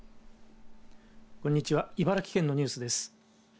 こんにちは茨城県のニュースです。